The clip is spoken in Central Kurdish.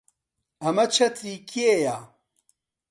ئەمە چەتری کێیە؟